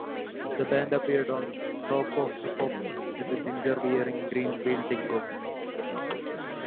The band appeared on "Top of the Pops" with Ginger wearing green welding goggles.